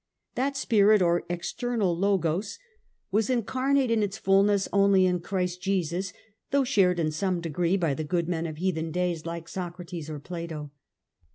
That Spirit or Eternal Logos was incarnate in its fulness only in Christ Jesus, though shared in some degree by the good men of heathen days, like Socrates or Plato.